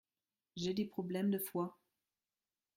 J’ai des problèmes de foie.